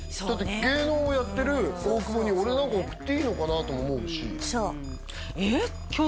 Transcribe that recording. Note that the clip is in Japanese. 芸能をやってる大久保に俺なんかが送っていいのかなと思うしえっ？